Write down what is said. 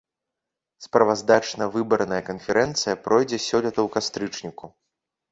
Справаздачна-выбарная канферэнцыя пройдзе сёлета ў кастрычніку.